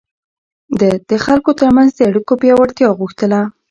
ده د خلکو ترمنځ د اړيکو پياوړتيا غوښتله.